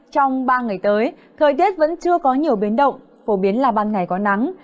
trong ba ngày tới thời tiết vẫn chưa có nhiều biến động phổ biến là ban ngày có nắng